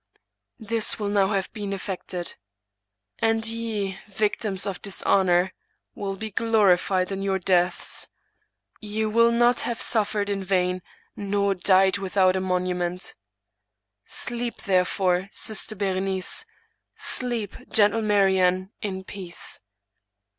" This will now have been effected. And ye, victims of dishonor, will be glorified in your deaths ; ye will not have suffered in vain, nor died without a monument Sleep, therefore, sister Berenice — sleep, gentle Mariamne, in peace.